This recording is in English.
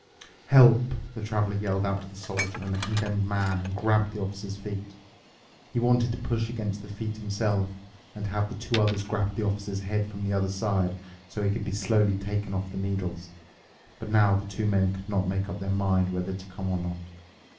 "Help," the Traveler yelled out to the Soldier and the Condemned Man and grabbed the Officer's feet. He wanted to push against the feet himself and have the two others grab the Officer's head from the other side, so he could be slowly taken off the needles. But now the two men could not make up their mind whether to come or not.